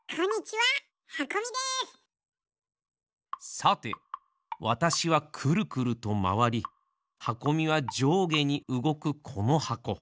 さてわたしはクルクルとまわりはこみがじょうげにうごくこの箱。